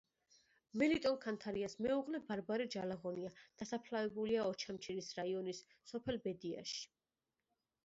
მელიტონ ქანთარიას მეუღლე ბარბარე ჯალაღონია დასაფლავებულია ოჩამჩირის რაიონის სოფელ ბედიაში.